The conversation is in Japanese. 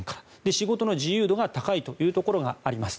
仕事の自由度が高いというところがあります。